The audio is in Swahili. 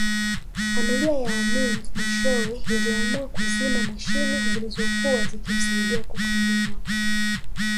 Familia ya Amin mwishowe iliamua kuzima mashine zilizokuwa zikimsaidia kupumua